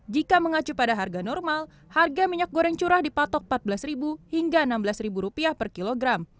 jika mengacu pada harga normal harga minyak goreng curah dipatok rp empat belas hingga rp enam belas per kilogram